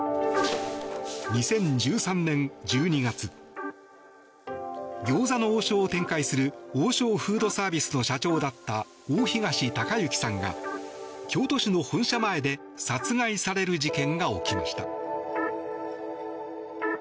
２０１３年１２月餃子の王将を展開する王将フードサービスの社長だった大東隆行さんが京都市の本社前で殺害される事件が起きました。